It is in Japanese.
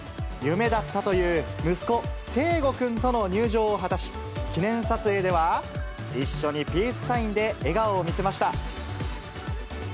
夢だったという、息子、聖悟くんとの入場を果たし、記念撮影では、一緒にピースサインで笑顔を見せました。